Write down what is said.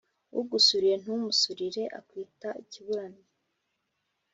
Ugusuriye ntumusurire akwita ikibura nnyo.